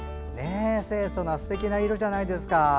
清そなすてきな色じゃないですか。